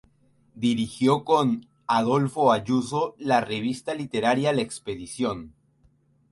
Dirigió con Adolfo Ayuso la revista literaria "La expedición".